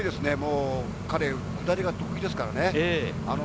彼は下りが得意ですからね。